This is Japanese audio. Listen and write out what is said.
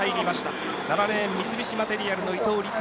７レーン三菱マテリアルの伊東利来